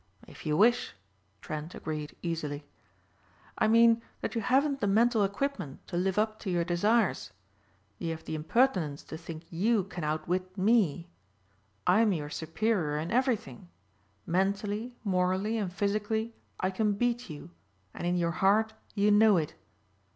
"If you wish," Trent agreed easily. "I mean that you haven't the mental equipment to live up to your desires. You have the impertinence to think you can outwit me. I'm your superior in everything. Mentally, morally and physically I can beat you and in your heart you know it.